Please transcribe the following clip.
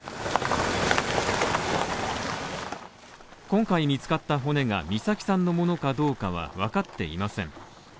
今回見つかった骨が美咲さんのものかどうかは分かっていません。